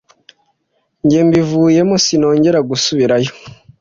Njye mbivuyemo sinongera gusubirayo